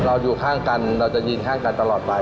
อยู่ข้างกันเราจะยืนข้างกันตลอดไป